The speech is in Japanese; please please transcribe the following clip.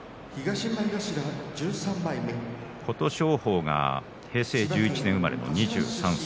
琴勝峰は平成１１年生まれの２３歳。